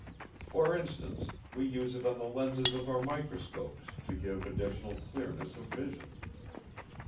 For instance, we use it on the lenses of our microscopes to give additional clearness of vision.